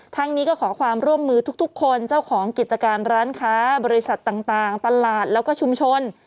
ทั้งนี้ก็ขอความร่วมมือทุกคนเจ้าของกิจการร้านค้าบริษัทต่างตลาดแล้วก็ชุมชน